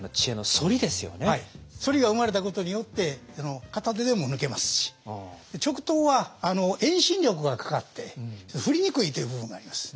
反りが生まれたことによって片手でも抜けますし直刀は遠心力がかかって振りにくいっていう部分があります。